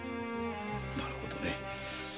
なるほどね。